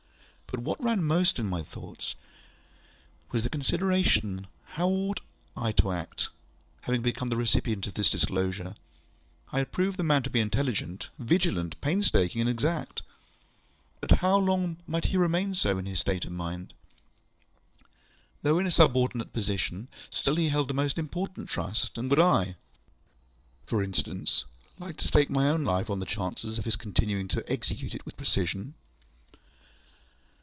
But what ran most in my thoughts was the consideration how ought I to act, having become the recipient of this disclosure? I had proved the man to be intelligent, vigilant, painstaking, and exact; but how long might he remain so, in his state of mind? Though in a subordinate position, still he held a most important trust, and would I (for instance) like to stake my own life on the chances of his continuing to execute it with precision?